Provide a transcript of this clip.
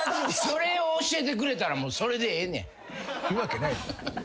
それを教えてくれたらもうそれでええねん。